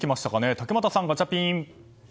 竹俣さん、ガチャピン。